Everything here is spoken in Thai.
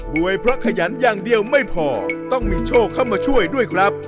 วยเพราะขยันอย่างเดียวไม่พอต้องมีโชคเข้ามาช่วยด้วยครับ